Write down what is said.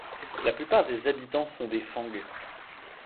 La plupart des habitants sont des Fang.